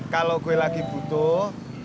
kalau gue lagi butuh